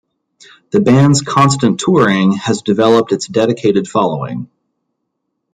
The band's constant touring has developed its dedicated following.